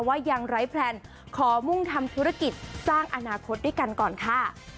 ยังไร้แพลนขอมุ่งทำธุรกิจสร้างอนาคตด้วยกันก่อนค่ะ